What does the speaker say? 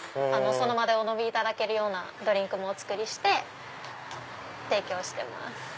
その場でお飲みいただけるようなドリンクもお作りして提供してます。